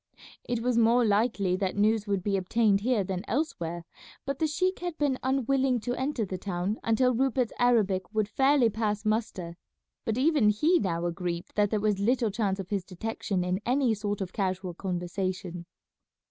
It was more likely that news would be obtained here than elsewhere, but the sheik had been unwilling to enter the town until Rupert's Arabic would fairly pass muster; but even he now agreed that there was little chance of his detection in any sort of casual conversation.